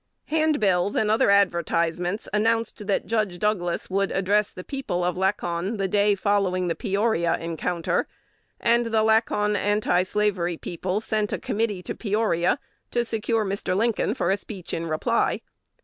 Handbills and other advertisements announced that Judge Douglas would address the people of Lacon the day following the Peoria encounter; and the Lacon Anti Nebraska people sent a committee to Peoria to secure Mr. Lincoln for a speech in reply.